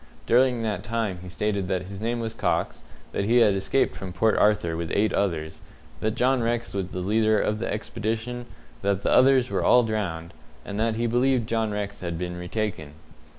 During that time he stated that his name was Cox, that he had escaped from Port Arthur with eight others, that John Rex was the leader of the expedition, that the others were all drowned, and that he believed John Rex had been retaken.